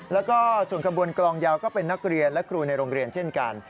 แล้วก็ส่วนขบวนกลองยาวก็เป็นนักเรียนและครูในโรงเรียนเช่นกัน